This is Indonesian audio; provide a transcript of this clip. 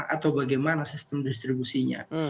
atau bagaimana sistem distribusinya